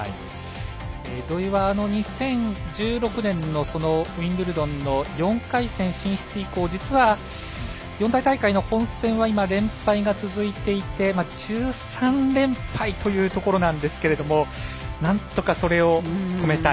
土居は２０１６年のウィンブルドンの４回戦進出以降実は四大大会の本戦は連敗が続いていて１３連敗というところなんですがなんとかそれを止めたい。